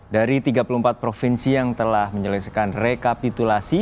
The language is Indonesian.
dari tiga puluh empat provinsi yang telah menyelesaikan rekapitulasi